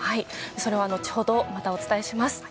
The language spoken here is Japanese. それは後ほどまたお伝えします。